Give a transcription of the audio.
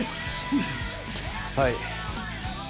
はい。